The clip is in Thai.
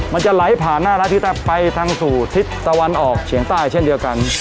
มันจะไหลผ่านหน้าร้านทิศตะไปทางสู่ทิศตะวันออกเฉียงใต้เช่นเดียวกัน